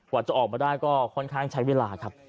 จะออกมาได้ก็ค่อนข้างใช้เวลาครับ